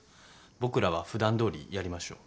僕らはふだんどおりやりましょう。